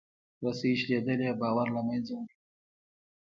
رسۍ شلېدلې باور له منځه وړي.